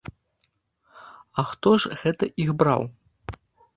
А хто ж гэта іх браў?